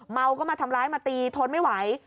เมาก็มาทำร้ายมาตีทนไม่ไหว